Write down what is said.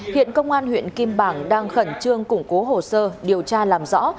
hiện công an huyện kim bảng đang khẩn trương củng cố hồ sơ điều tra làm rõ